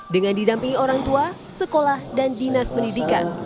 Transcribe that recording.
dengan didampingi orang tua sekolah dan dinas pendidikan